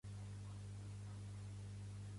-Què diu? No es coneix pas poc!